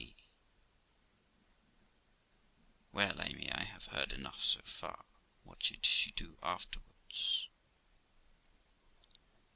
] Gent. Well, Amy, I have heard enough so far. What did she do afterwards